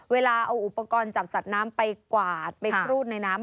เวลาเอาอุปกรณ์จับสัตว์น้ำไปกวาดไปครูดในน้ำ